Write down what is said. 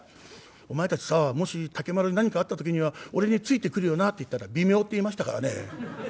「お前たちさもし竹丸に何かあった時には俺についてくるよな？」って言ったら「微妙」って言いましたからね。